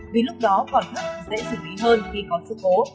vì lúc đó còn rất dễ xử lý hơn khi có suốt cố